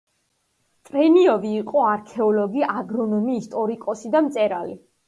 ტრენიოვი იყო არქეოლოგი, აგრონომი, ისტორიკოსი და მწერალი.